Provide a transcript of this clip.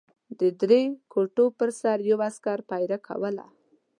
د درې کوټو پر سر یو عسکر پېره کوله.